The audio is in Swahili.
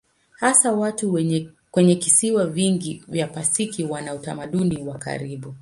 Hasa watu kwenye visiwa vingi vya Pasifiki wana utamaduni wa karibu.